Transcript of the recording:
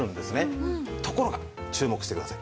ところが注目してください。